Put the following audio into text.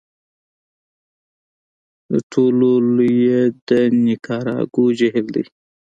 د ټولو لوی یې د نیکاراګو جهیل دی.